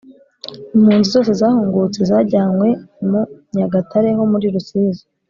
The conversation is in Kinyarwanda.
Impunzi zose zahungutse zajyanywe mu nyagatare ho muri Rusizi